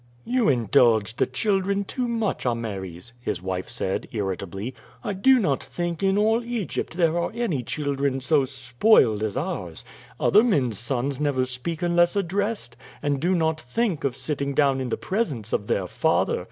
"You indulge the children too much, Ameres," his wife said irritably. "I do not think in all Egypt there are any children so spoiled as ours. Other men's sons never speak unless addressed, and do not think of sitting down in the presence of their father.